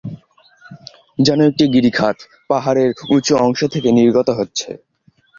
যেন একটি গিরিখাত, পাহাড়ের উঁচু অংশ থেকে নির্গত হচ্ছে।